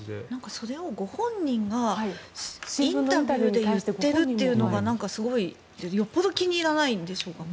それをご本人がインタビューで言ってるというのがよほど気に入らないんでしょうか。